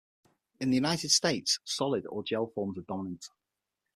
In the United States, solid or gel forms are dominant.